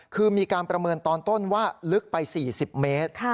คือมีการประเมินตอนต้นว่าลึกไป๔๐เมตร